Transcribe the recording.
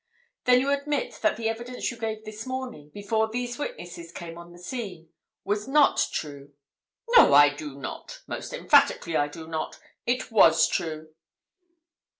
"Then you admit that the evidence you gave this morning, before these witnesses came on the scene, was not true?" "No, I do not! Most emphatically I do not. It was true."